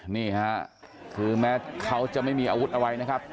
นี่ค่ะคือแม้เขาจะไม่มีอาวุธอะไรนะครับ